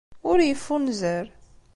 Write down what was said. Ur yeffunzer.